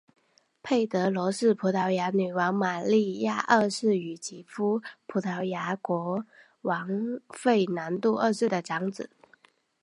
佩德罗是葡萄牙女王玛莉亚二世与其夫葡萄牙国王费南度二世的长子。